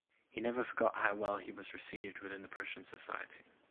He never forgot how well he was received within the Prussian society.